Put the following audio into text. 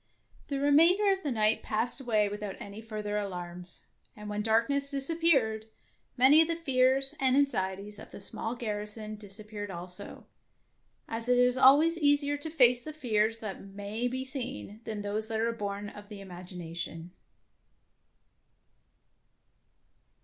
The remainder of the night passed away without any further alarms, and when darkness disappeared, many of the fears and anxieties of the small garrison disappeared also, as it is always easier to face the fears that may be seen than those that are born of the imagination.